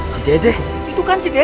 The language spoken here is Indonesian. cedeh itu kan cedeh